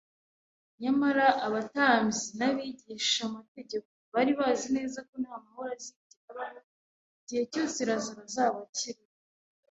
Nyamara abatambyi n'abigishamategeko bari bazi neza ko nta mahoro azigera abaho igihe cyose Lazaro azaba akiriho